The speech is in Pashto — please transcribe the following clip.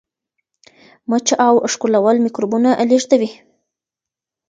مچه او ښکلول میکروبونه لیږدوي.